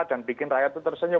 dan bikin rakyat tersenyum